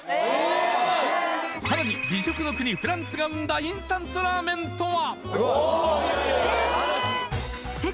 さらに美食の国フランスが生んだインスタントラーメンとは？